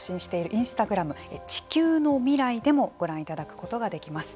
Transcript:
インスタグラム地球のミライでもご覧いただくことができます。